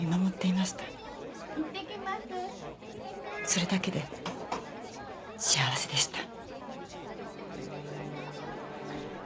それだけで幸せでした。